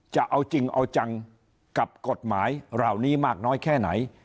จะเอาจริงเอาจังกับกฎหมายเหล่านี้มากน้อยแค่ไหน